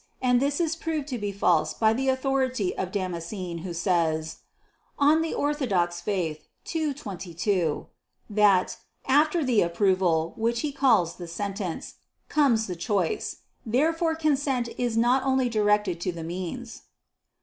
And this is proved to be false by the authority of Damascene who says (De Fide Orth. ii, 22) that "after the approval" which he calls "the sentence," "comes the choice." Therefore consent is not only directed to the means.